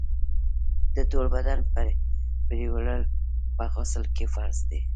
د ټول بدن پرېولل په غسل کي فرض دي.